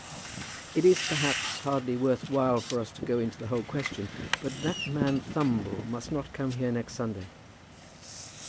"It is, perhaps, hardly worth while for us to go into the whole question; but that man, Thumble, must not come here on next Sunday."